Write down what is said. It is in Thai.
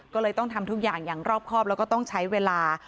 ก็เลยต้องทำทุกอย่างอย่างรอบครอบแล้วก็ต้องใช้เวลา